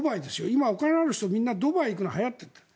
今、お金のある人はみんなドバイに行くのがはやっている。